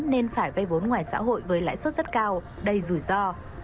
nên phải vay vốn ngoài xã hội với lãi suất rất cao đầy rủi ro